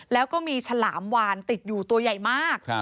แล้วก็มีฉลามวานติดอยู่ตัวใหญ่มาก